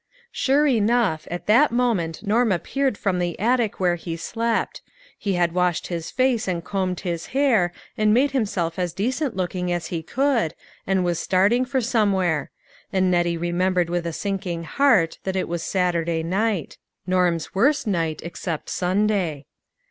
Sure enough at that moment Norm appeared from the attic where he slept ; he had washed his face and combed his hair, and made himself as decent looking as he could, and was starting for somewhere ; and Nettie remembered with a sinking heart that it was Saturday night ; Norm's worst night except Sunday.